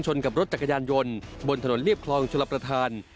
กับรถจักรยานยนต์บนถนนเรียบคลองชลประธาน